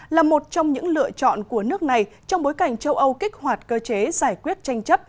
là một trong những lựa chọn của nước này trong bối cảnh châu âu kích hoạt cơ chế giải quyết tranh chấp